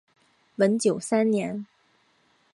文久三年。